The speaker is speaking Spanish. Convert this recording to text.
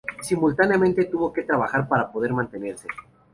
Simultáneamente tuvo que trabajar para poder mantenerse.